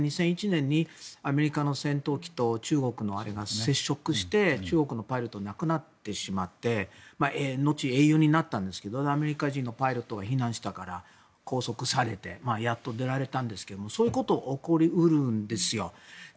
２００１年にアメリカの戦闘機と中国のが接触して中国のパイロットが亡くなってしまって後に英雄になったんですけどアメリカ人のパイロットが批判したから拘束されてやっと出られたんですけどそういうことが起こり得るんですよ。